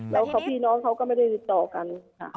แล้วพี่น้องเขาก็ไม่ได้ติดต่อกันค่ะ